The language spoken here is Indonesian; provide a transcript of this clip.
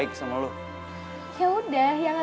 yaudah yang gak baik itu kan dia bukan gue